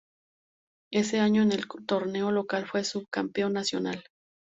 Ese año en el torneo local fue subcampeón nacional.